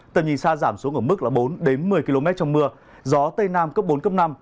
tầm nhìn xa giảm xuống ở mức bốn một mươi km trong mưa gió tây nam cấp bốn cấp năm